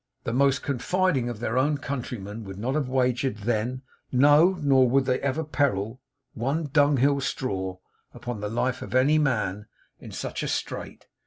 The most confiding of their own countrymen would not have wagered then no, nor would they ever peril one dunghill straw, upon the life of any man in such a strait.